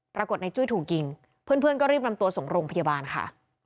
ปรากฏในจุ้ยถูกยิงเพื่อนก็รีบนำตัวส่งโรงพยาบาลค่ะ